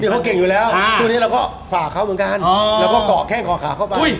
เขาเก่งอยู่แล้วตัวนี้เราก็ฝากเขาเหมือนกันแล้วก็เกาะแข้งเกาะขาเข้าไป